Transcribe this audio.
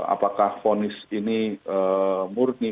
apakah ponis ini murni